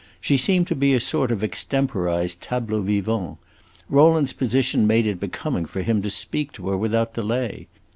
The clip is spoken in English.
She seemed to be a sort of extemporized tableau vivant. Rowland's position made it becoming for him to speak to her without delay.